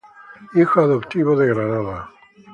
Hijo adoptivo de Granada.